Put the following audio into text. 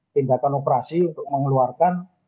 tindakan operasi untuk mengeluarkan